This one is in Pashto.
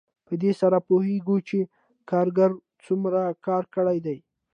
په دې سره پوهېږو چې کارګر څومره کار کړی دی